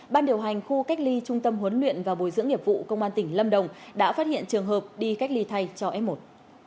ban điều hành khu cách ly trung tâm huấn luyện và bồi dưỡng nghiệp vụ công an tỉnh lâm đồng đã phát hiện trường hợp đi cách ly thay cho f một